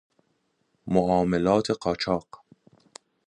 معاملات قاچاق